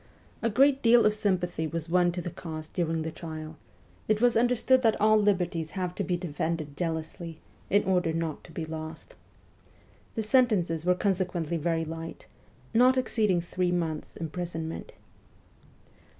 A great deal of sympathy was won to the cause during the trial ; it was understood that all liberties have to be defended jealously, in order not to be lost. The sentences were consequently very light, not exceeding three months' imprisonment.